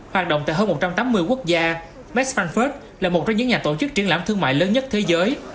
hoạt động tại hơn một trăm tám mươi quốc gia max frankfurt là một trong những nhà tổ chức triển lãm thương mại lớn nhất thế giới